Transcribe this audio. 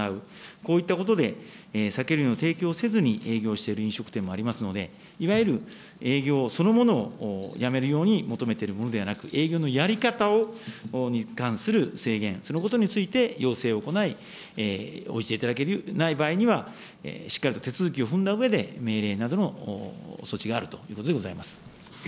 こういったことで、酒類の提供をせずに営業している飲食店もありますので、いわゆる営業そのものをやめるように求めているものではなく、営業のやり方を、やり方に関する制限、そのことについて要請を行い、応じていただけない場合には、しっかりと手続きを踏んだうえで、命令などの措置があるということでございます。